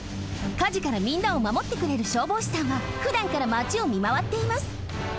かじからみんなをまもってくれる消防士さんはふだんからマチをみまわっています。